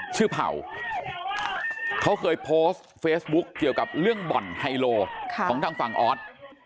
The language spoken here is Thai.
เผ่าเขาเคยโพสต์เฟซบุ๊คเกี่ยวกับเรื่องบ่อนไฮโลของทางฝั่งออส